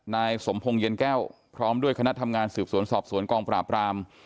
นายสมพงศ์เย็นแก้วพร้อมด้วยคณะทำงานสืบสวนสอบสวนกองปราบราม